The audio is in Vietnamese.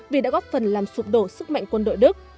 vì đã góp phần làm sụp đổ sức mạnh quân đội đức